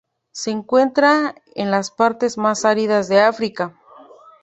Se encuentra en las partes más áridas de África.